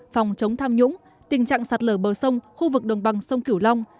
phòng chống tham nhũng tình trạng sạt lở bờ sông khu vực đồng bằng sông kiểu long